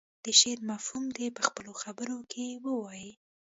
د شعر مفهوم دې په خپلو خبرو کې ووايي.